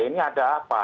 ini ada apa